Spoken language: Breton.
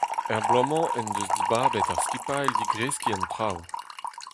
Er bloaz-mañ en deus dibabet ar skipailh digreskiñ an traoù.